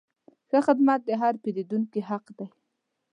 ښه خدمت د هر پیرودونکي حق دی.